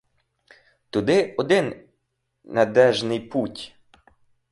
Туди один надежний путь!